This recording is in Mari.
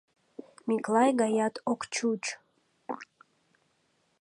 Миклай гаят ок чуч.